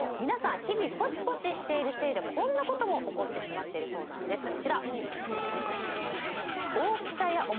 皆さん日々ポチポチしているせいでこんなことも起こってしまってるそうなんです。